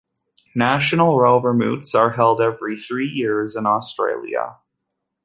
National Rover Moots are held every three years in Australia.